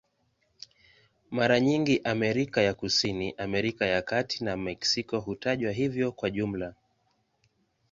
Mara nyingi Amerika ya Kusini, Amerika ya Kati na Meksiko hutajwa hivyo kwa jumla.